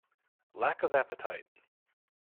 Lack of appetite!